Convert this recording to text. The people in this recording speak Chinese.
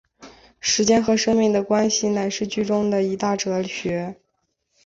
时间和生命的关系乃是剧中的一大哲学。